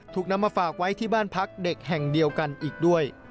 ถูกนำมาฝากไว้ที่บ้านพักเด็กแห่งเดียวกันอีกด้วย